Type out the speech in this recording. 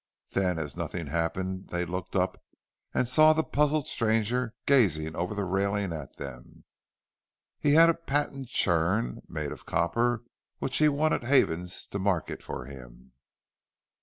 Then, as nothing happened, they looked up, and saw the puzzled stranger gazing over the railing at them. He had a patent churn, made of copper, which he wanted Havens to market for him!"